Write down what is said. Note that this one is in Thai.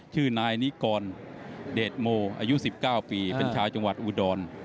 ชื่อนายนิกรเดชโมอายุ๑๙ปีเป็นชาวจังหวัดอุดร